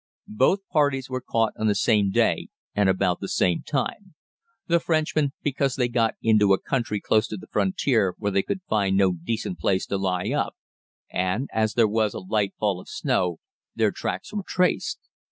Both parties were caught on the same day and about the same time; the Frenchmen because they got into a country close to the frontier where they could find no decent place to lie up, and, as there was a light fall of snow, their tracks were traced.